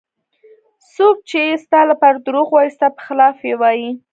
څوک چې ستا لپاره دروغ وایي ستا په خلاف یې وایي.